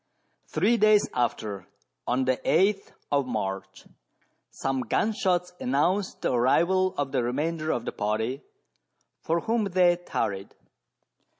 Three days after, on the 8th of March, some gun shots announced the arrival of the remainder of the party for whom they tarried.